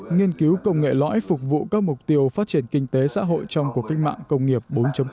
nghiên cứu công nghệ lõi phục vụ các mục tiêu phát triển kinh tế xã hội trong cuộc cách mạng công nghiệp bốn